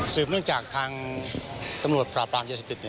สิบเนื่องจากทางตำรวจปราบปลางยาสิปิต